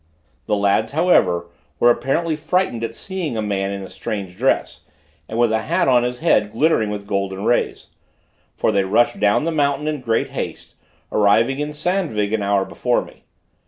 The lads, however, were apparently frightened at seeing a man in a strange dress, and with a hat on his head glittering with golden rays; for they rushed down the mountain in great haste, arriving at Sandvig an hour before me.